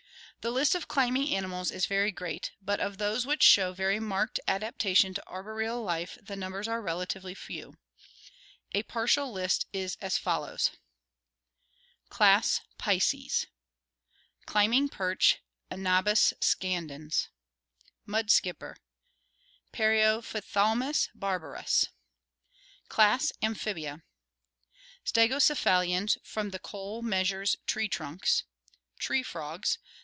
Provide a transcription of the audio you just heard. The list of climbing animals is very great, but of those which show very marked adaptation to arboreal life the numbers are relatively few. A partial list is as follows: Class Pisces Climbing perch (Anabas scandens). Mud skipper (Periophthalmus bar bar us). Class Amphibia Stegocephalians from the Coal Measures tree trunks. Tree frogs.